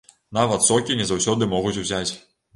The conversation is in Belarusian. Нават сокі не заўсёды могуць узяць.